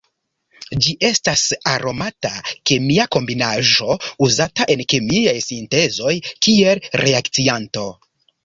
Ĝi estas aromata kemia kombinaĵo uzata en kemiaj sintezoj kiel reakcianto.